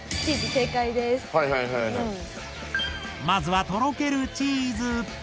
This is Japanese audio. まずはとろけるチーズ！